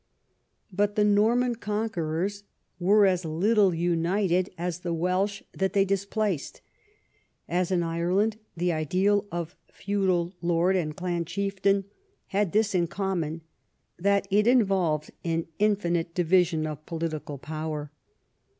But the Norman Conquerors were as little united as the Welsh that they displaced. As in Ireland, the ideal of feudal lord and clan chieftain had this in common that it involved an infinite division of political power.